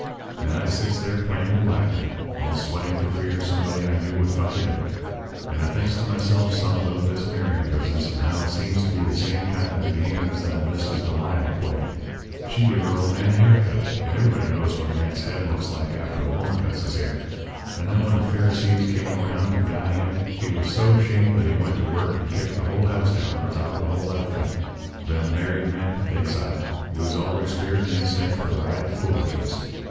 "And I sits there playing the black men, all sweating for fear somebody I knew would find it out. And I thinks to myself some about this marrying business, and how it seems to be the same kind of a game as that Mrs. Delilah played. She give her old man a hair cut, and everybody knows what a man's head looks like after a woman cuts his hair. And then when the Pharisees came around to guy him he was so 'shamed that he went to work and kicked the whole house down on top of the whole outfit. 'Them married men,' thinks I, 'lose all their spirit and instinct for riot and foolishness.